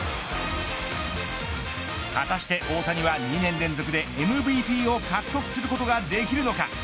果たして大谷は２年連続でＭＶＰを獲得することができるのか。